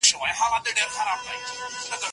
هغه اوس په زګیروي لاس ریموټ کنټرول ته وروغځاوه.